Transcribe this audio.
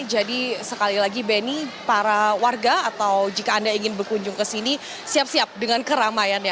jadi sekali lagi beni para warga atau jika anda ingin berkunjung ke sini siap siap dengan keramaian ya